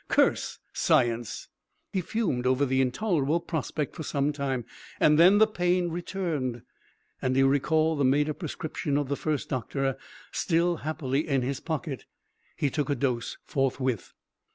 Curse science! He fumed over the intolerable prospect for some time, and then the pain returned, and he recalled the made up prescription of the first doctor, still happily in his pocket. He took a dose forthwith.